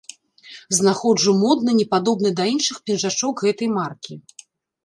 Знаходжу модны, не падобны да іншых пінжачок гэтай маркі.